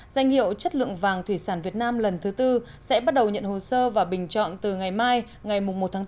danh hiệu chất lượng vàng thủy sản việt nam lần thứ tư sẽ bắt đầu nhận hồ sơ và bình chọn từ ngày mai ngày một tháng bốn